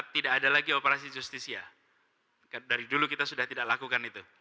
tidak ada lagi operasi justisia dari dulu kita sudah tidak lakukan itu